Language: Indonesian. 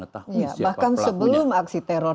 tahu siapa pelakunya bahkan sebelum aksi teror